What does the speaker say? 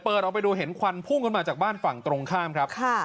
เปิดออกไปดูเห็นควันพุ่งขึ้นมาจากบ้านฝั่งตรงข้ามครับ